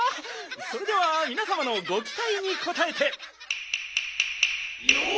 それではみなさまのごきたいにこたえて。